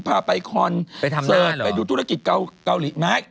พาไปคอนเซอร์ดไปดูธุรกิจเกาหลีไปทำหน้าเหรอ